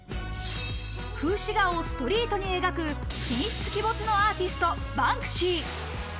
風刺画をストリートに描く、神出鬼没のアーティスト、バンクシー。